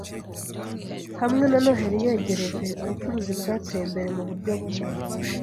Hamwe na Noheri yegereje, ubucuruzi bwateye imbere muburyo bumwe.